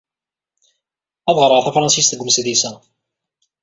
Ad ɣreɣ tafṛensist deg umesdis-a.